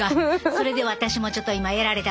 それで私もちょっと今やられたわけやね。